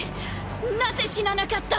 なぜ死ななかった？